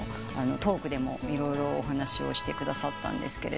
トークでも色々お話をしてくださったんですが。